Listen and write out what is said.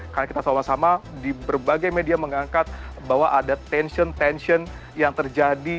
karena kita sama sama di berbagai media mengangkat bahwa ada tension tension yang terjadi